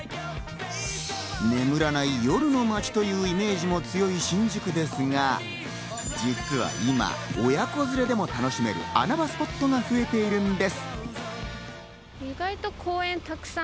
眠らない夜の街というイメージも強い新宿ですが、実は今、親子連れでも楽しめる穴場スポットが増えているんです。